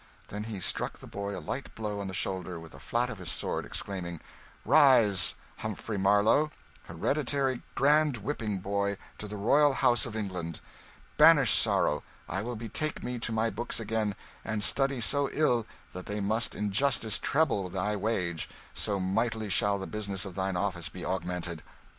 Then he struck the boy a light blow on the shoulder with the flat of his sword, exclaiming, "Rise, Humphrey Marlow, Hereditary Grand Whipping Boy to the Royal House of England! Banish sorrow I will betake me to my books again, and study so ill that they must in justice treble thy wage, so mightily shall the business of thine office be augmented."